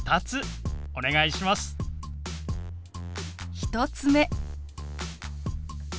１つ目。